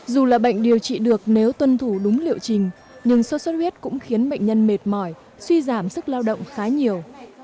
dù là bệnh điều trị được nếu tuân thủ đúng liệu trình nhưng sốt xuất huyết cũng khiến bệnh nhân mệt mỏi suy giảm sức lao động khá nhiều